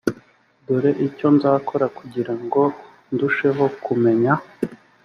dore icyo nzakora kugira ngo ndusheho kumenya